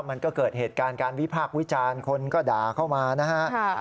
มันก็เกิดเหตุการณ์การวิพากษ์วิจารณ์คนก็ด่าเข้ามานะฮะ